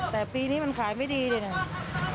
แต่ปีนี้มันขายไม่ดีเลยนะ